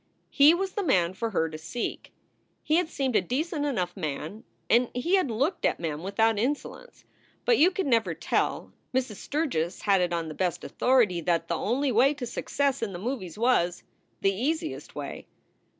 He was the man for her to seek. He had seemed a decent enough man, and he had looked at Mem without insolence. But you could never tell. Mrs. Sturgs had it on the best authority that the only way to success in the movies was "the easiest way."